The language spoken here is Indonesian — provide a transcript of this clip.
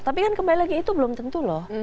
tapi kan kembali lagi itu belum tentu loh